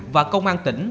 và công an tỉnh